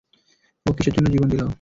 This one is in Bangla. ও কিসের জন্য জীবন দিল?